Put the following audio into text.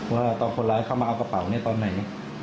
ว่าตอนคนร้ายเข้ามาเอากระเป๋าตอนไหน